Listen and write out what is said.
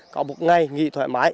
có một ngày nghỉ thoải mái